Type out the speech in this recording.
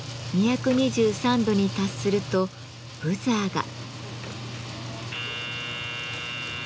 ２２３度に達するとブザーが。